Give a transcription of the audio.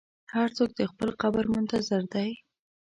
هر څوک د خپل قبر منتظر دی.